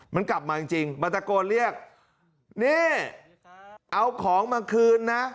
มันกลับมาจริงจริงมันตะโกนเรียกนี่เอาของมาคืนนะ